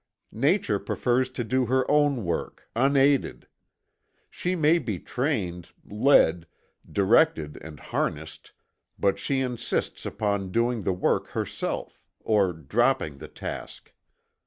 Nature prefers to do her own work, unaided. She may be trained, led, directed and harnessed, but she insists upon doing the work herself, or dropping the task.